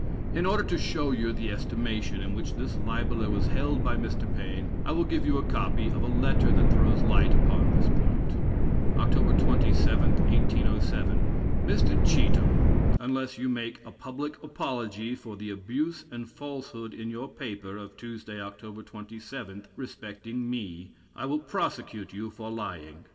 In order to show you the estimation in which this libeler was held by Mr. Paine, I will give you a copy of a letter that throws light upon this point: "Oct. 27, 1807. Mr. Cheethan: Unless you make a public apology for the abuse and falsehood in your paper of Tuesday, Oct. 27, respecting me, I will prosecute you for lying.